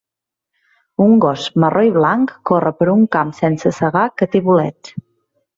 Un gos marró i blanc corre per un camp sense segar que té bolets.